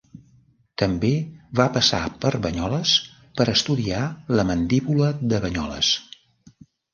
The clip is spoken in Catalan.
També va passar per Banyoles per estudiar la Mandíbula de Banyoles.